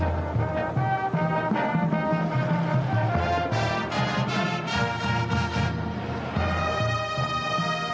ทราอยุธยมฮาริโรคของพระราชมาเจ้าฮาริโรค